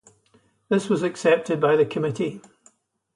This was accepted by the committee.